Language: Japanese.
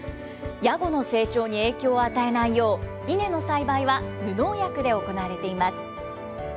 ヤゴの成長に影響を与えないよう、稲の栽培は無農薬で行われています。